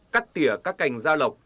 cắt tỉa các cành ra lọc